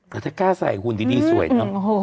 แต่ถ้ากล้าใส่หุ่นดีสวยเนอะ